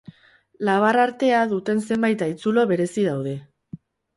Labar-artea duten zenbait haitzulo berezi daude.